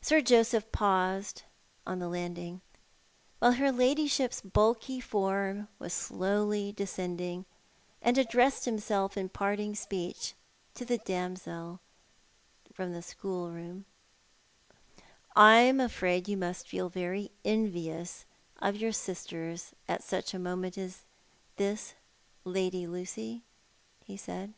Sir Joseph paused on the landing, while her ladyship's bulky form was slowly descending, and addressed himself in parting speech to the damsel from the schoolroom —" I'm afraid you must feel very euTious of your sisters at such a moment as this, Lady Lucy," he said.